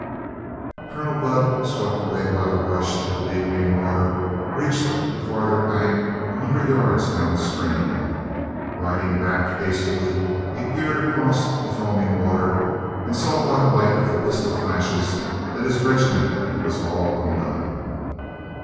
Colonel Budd, swept away by the rush of the deepening water, reached the farther bank a hun dred yards down stream. Riding back hastily, he peered across the fo, aming water and saw by the light of the pistol flashes that his regiment was all undone.